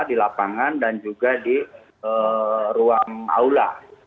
di lapangan dan juga di ruang aula